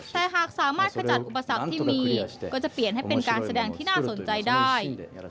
แต่หากสามารถขจัดอุปสรรคที่มีก็จะเปลี่ยนให้เป็นการแสดงที่น่าสนใจได้